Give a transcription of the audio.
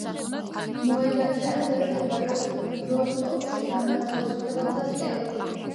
მოედანზე ასევე მდებარეობს როსტოვის განმათავისუფლებელთა სტელა.